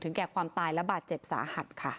แก่ความตายและบาดเจ็บสาหัสค่ะ